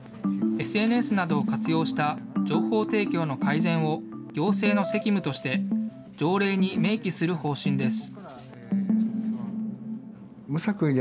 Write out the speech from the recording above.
ＳＮＳなどを活用した情報提供の改善を、行政の責務として、条例に明記する方針です。